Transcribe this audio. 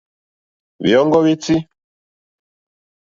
Hwèɔ́ŋɡɔ́ hwétí.